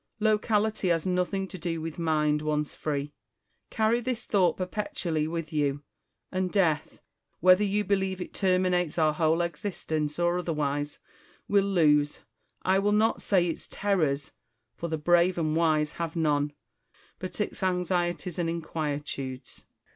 Locality has nothing to do with mind once free. Carry this thought perpetually with you ; and Death, whether you be lieve it terminates our whole existence or otherwise, will lose, I will not say its terrors, for the brave and wise have none, but its anxieties and inquietudes. Quinctus.